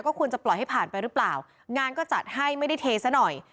ควรจะปล่อยให้ผ่านไปหรือเปล่างานก็จัดให้ไม่ได้เทซะหน่อย